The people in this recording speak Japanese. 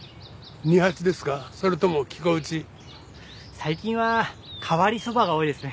最近は変わりそばが多いですね。